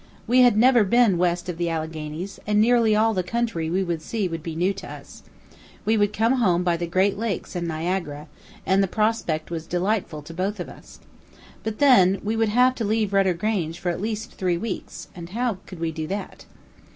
We had never been west of the Alleghanies, and nearly all the country we would see would be new to us. We would come home by the great lakes and Niagara, and the prospect was delightful to both of us. But then we would have to leave Rudder Grange for at least three weeks, and how could we do that?